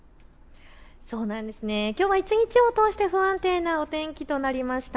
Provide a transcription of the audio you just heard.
きょうは一日を通して不安定なお天気となりました。